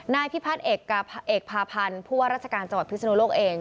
นายพิพัฒน์เอกพาพันธ์ผู้ว่าราชการจังหวัดพิศนุโลกเอง